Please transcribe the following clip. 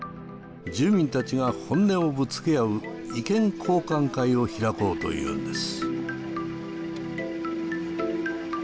住民たちが本音をぶつけ合う意見交換会を開こうというんです。